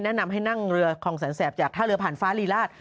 แนะนำให้นั่งเรือคลองแสนแสบจากท่าเรือผ่านฟ้าลีราช